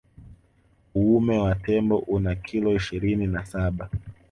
Uume wa tembo una kilo ishirini na saba